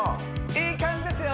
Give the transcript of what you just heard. いい感じですよ